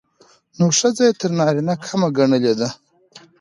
نو ښځه يې تر نارينه کمه ګڼلې ده.